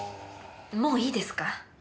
もういいですか？